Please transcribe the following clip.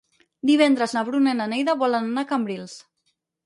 Divendres na Bruna i na Neida volen anar a Cambrils.